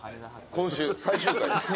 今週最終回です。